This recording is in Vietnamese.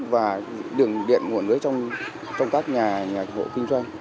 và đường điện nguồn nước trong các nhà hộ kinh doanh